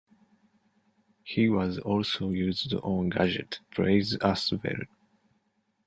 He was also used on gadget plays as well.